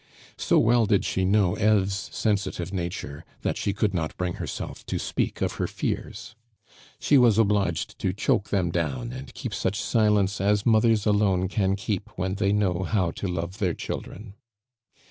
So well did she know Eve's sensitive nature, that she could not bring herself to speak of her fears; she was obliged to choke them down and keep such silence as mothers alone can keep when they know how to love their children.